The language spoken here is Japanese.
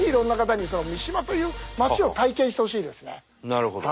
なるほど。